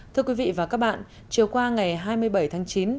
thưa quý vị và các bạn chiều qua ngày hai mươi bảy tháng chín